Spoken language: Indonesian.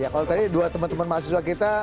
kalau tadi dua teman teman mahasiswa kita